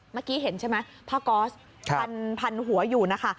เมื่อกี้เห็นใช่ไหมผ้าก๊อสพันหัวอยู่นะคะ